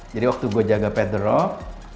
jadi waktu gue jaga pat the rock